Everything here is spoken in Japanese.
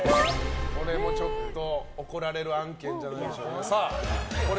これも怒られる案件じゃないでしょうか。